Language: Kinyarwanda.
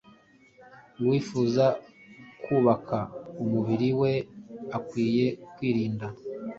uwifuza kubaka umubiri we akwiye kwirinda